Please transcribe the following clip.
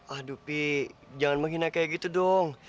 aduh pey jangan menghina kayak gitu dong